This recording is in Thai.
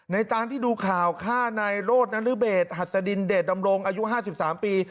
ตานที่ดูข่าวฆ่านายโรธนรเบศหัสดินเดชดำรงอายุ๕๓ปี